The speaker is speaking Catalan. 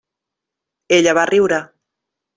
Ella va riure.